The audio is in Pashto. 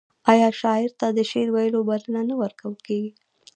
آیا شاعر ته د شعر ویلو بلنه نه ورکول کیږي؟